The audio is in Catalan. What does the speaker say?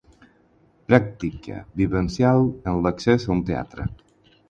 Pràctica vivencial en l'accés a un teatre.